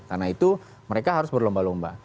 karena itu mereka harus berlomba lomba